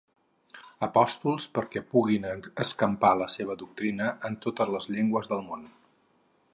Apòstols perquè puguin escampar la seva doctrina en totes les llengües del món.